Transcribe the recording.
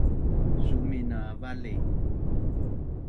Sumin na vali!